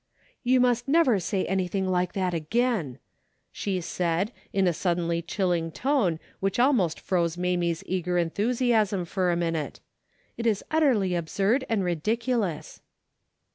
" You must never say anything like that again," she said, in a suddenly chilling tone which almost froze Mamie's eager enthusiasm for a minute. " It is utterly absurd and ridic ulous."